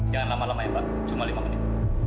jangan lama lama ya pak cuma lima menit